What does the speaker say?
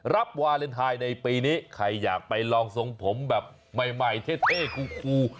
วาเลนไทยในปีนี้ใครอยากไปลองทรงผมแบบใหม่เท่คู